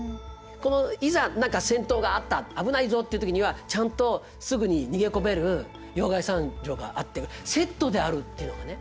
このいざ何か戦闘があった危ないぞという時にはちゃんとすぐに逃げ込める要害山城があってセットであるっていうのがね